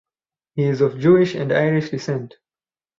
He is of Jewish and Irish descent.